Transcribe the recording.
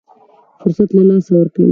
فرصت له لاسه ورکوي.